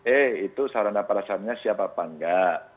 eh itu sarana parasaranya siapa apa nggak